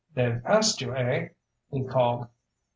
"They've passed you, eh?" he called.